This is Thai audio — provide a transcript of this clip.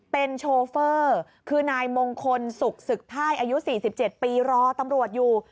เป็นโชเฟอร์คือนายมงคลสุขศึกไทยอายุ๔๗ปีรอตำรวจอยู่